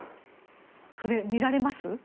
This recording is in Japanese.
それ、見られます？